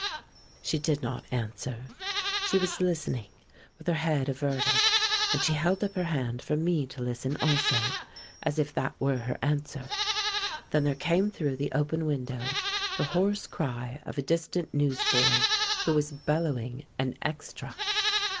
She did not answer. She was listening, with her head averted, and she held up her hand for me to listen also, as if that were her answer. Then there came through the open window the hoarse cry of a distant newsboy who was bellowing an "extra."